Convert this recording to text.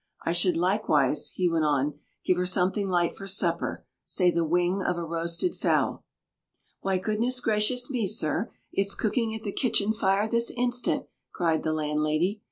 I should likewise," he went on, "give her something light for supper—say the wing of a roasted fowl." "Why, goodness gracious me, sir, it's cooking at the kitchen fire this instant!" cried the landlady.